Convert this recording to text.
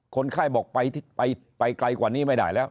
คนไข้บอกไปไกลกว่านี้ไม่ได้แล้ว